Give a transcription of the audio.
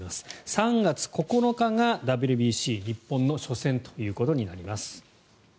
３月９日がＷＢＣ日本の初戦ということになります。